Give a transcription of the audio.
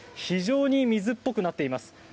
非常に水っぽくなっています。